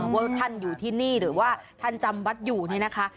ว่าท่านอยู่ที่นี่หรือว่าท่านจำวัดอยู่นี่นะคะ